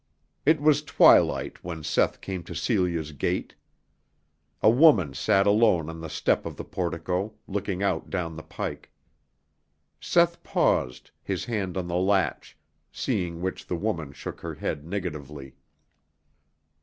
It was twilight when Seth came to Celia's gate. A woman sat alone on the step of the portico, looking out down the pike. Seth paused, his hand on the latch, seeing which the woman shook her head negatively.